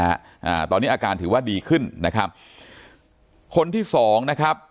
อ่าตอนนี้อาการถือว่าดีขึ้นนะครับคนที่สองนะครับ